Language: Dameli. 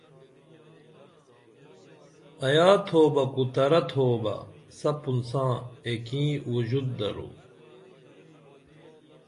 ایا تھوبہ کو ترہ تھوبہ سپُن ساں ایکیں وژت درو